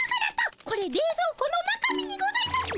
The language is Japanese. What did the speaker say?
これれいぞう庫の中身にございます。